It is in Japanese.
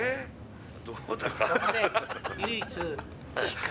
どうだか。